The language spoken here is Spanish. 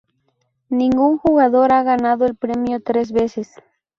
Ningún jugador ha ganado el premio tres veces.